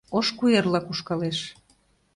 Ош куэрла кушкалеш.